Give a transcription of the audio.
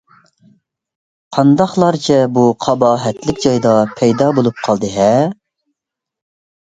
قانداقلارچە بۇ قاباھەتلىك جايدا پەيدا بولۇپ قالدى-ھە!